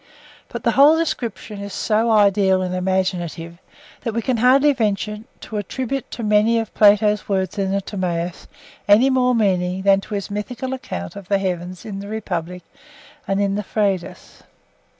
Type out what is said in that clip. But the whole description is so ideal and imaginative, that we can hardly venture to attribute to many of Plato's words in the Timaeus any more meaning than to his mythical account of the heavens in the Republic and in the Phaedrus.